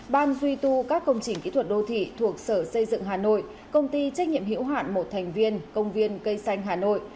ban duy tu các công trình kỹ thuật đô thị thuộc sở xây dựng hà nội công ty trách nhiệm hiểu hạn một thành viên công viên cây xanh hà nội